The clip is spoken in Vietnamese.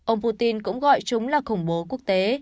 ông putin cũng gọi chúng là khủng bố quốc tế